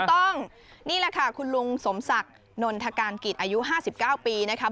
นี่แหละค่ะคุณลุงสมศักดิ์นนทการกิจอายุ๕๙ปีนะคะ